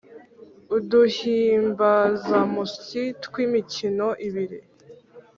uduhimbazamusyi tw’imikino ibiri